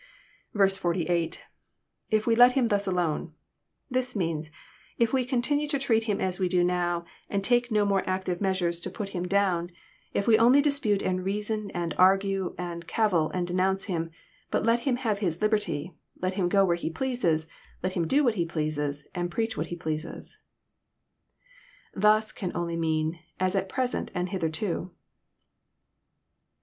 48.— [TjT toe let him thus alone.'] This means, •* If we continue to treat Him as we do now, and take no more active measures to 296 EXP081TOKT THOUGHTS. pot Him down, — ^If we only dispute and reason and argne and cavil and denonnce Hiin, bat let Him have His liberty, let Him go where He pleases, let Him do what He pleases, and preach what He pleases." *' Thns" can only mean *' as at present, and hitherto."